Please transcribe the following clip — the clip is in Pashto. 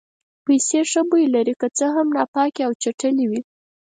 پیسې ښه بوی لري که څه هم چې ناپاکې او چټلې وي.